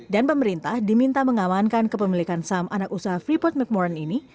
dan pemerintah diminta mengawankan kepemilikan saham anak usaha freeport mcmoran ini